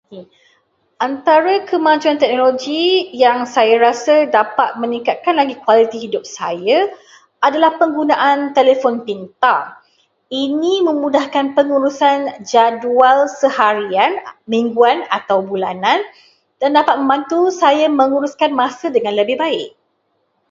Okey, antara kemajuan teknologi yang saya rasa dapat meningkatkan lagi kualiti hidup saya adalah penggunaan telefon pintar. Ini memudahkan pengurusan jadual seharian, mingguan atau bulanan dan dapat membantu saya menguruskan masa dengan lebih baik.